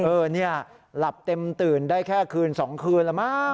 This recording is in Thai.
เออเนี่ยหลับเต็มตื่นได้แค่คืน๒คืนแล้วมั้ง